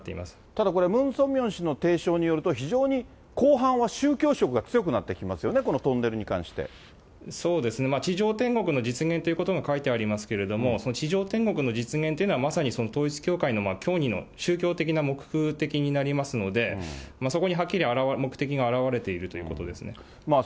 ただ、これ、ムン・ソンミョン氏の提唱によると、非常に後半は宗教色が強くなってきますよね、このトンネルに関しそうですね、地上天国の実現ということも書いてありますけど、その地上天国の実現というのはまさにその統一教会の教義の宗教的な目的になりますので、そこにはっきり目的が表れているということですね。